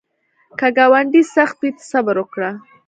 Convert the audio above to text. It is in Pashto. که ګاونډی سخت وي، ته صبر وکړه